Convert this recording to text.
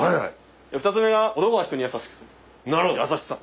２つ目が男は人に優しくする優しさ。